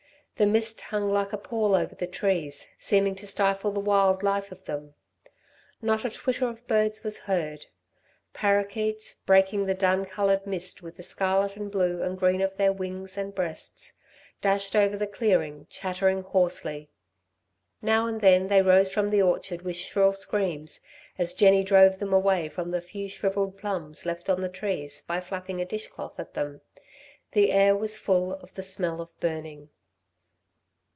The mist hung like a pall over the trees, seeming to stifle the wild life of them. Not a twitter of birds was heard. Parroquets, breaking the dun coloured mist with the scarlet and blue and green of their wings and breasts, dashed over the clearing, chattering hoarsely. Now and then they rose from the orchard with shrill screams, as Jenny drove them away from the few shrivelled plums left on the trees by flapping a dish cloth at them. The air was full of the smell of burning.